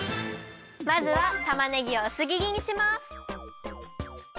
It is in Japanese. まずはたまねぎをうすぎりにします。